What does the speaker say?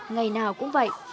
ngày nào cũng vậy